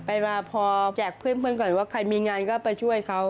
มาพอแจกเพื่อนก่อนว่าใครมีงานก็ไปช่วยเขา